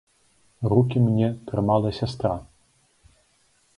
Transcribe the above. Рукі мне трымала сястра.